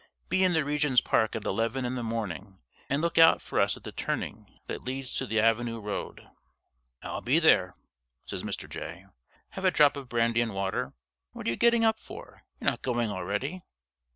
Be in the Regent's Park at eleven in the morning, and look out for us at the turning that leads to the Avenue Road." "I'll be there," says Mr. Jay. "Have a drop of brandy and water? What are you getting up for? You're not going already?"